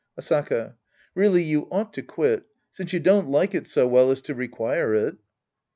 Asaka. Really you ought to quit. Since you don't like it so well as to require it.